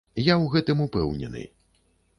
Я ў гэтым упэўнены.